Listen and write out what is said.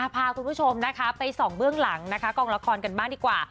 พาคุณผู้ชมไปส่องเบื้องหลังกลางละครกันบ้างดีกว่า